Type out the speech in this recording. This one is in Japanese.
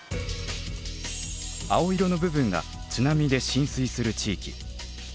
青色の部分が津波で浸水する地域。